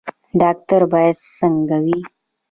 ډاکټر باید څنګه وي؟